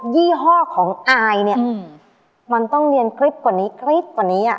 ยี่ห้อของอายเนี่ยมันต้องเรียนคลิปกว่านี้คลิปกว่านี้